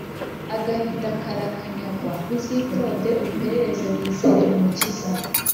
agahinda karakanyagwa, uzitonde uperereze wizere umukiza”